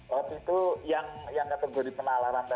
hortz itu yang kategori penalaran tadi